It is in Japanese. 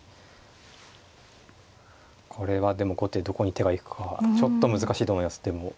これはでも後手どこに手が行くかちょっと難しいと思いますでも。